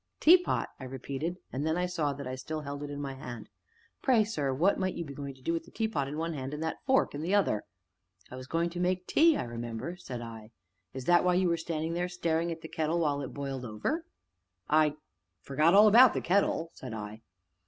"Teapot?" I repeated, and then I saw that I still held it in my hand. "Pray, sir what might you be going to do with the teapot in one hand, and that fork in the other?" "I was going to make the tea, I remember," said I. "Is that why you were standing there staring at the kettle while it boiled over?" "I forgot all about the kettle," said I.